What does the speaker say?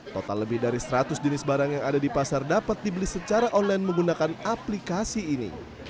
total lebih dari seratus jenis barang yang ada di pasar dapat dibeli secara online menggunakan aplikasi ini